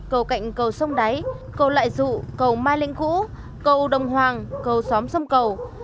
cầu cạnh cầu sông đáy cầu lại dụ cầu mai linh cũ cầu đồng hoàng cầu xóm sông cầu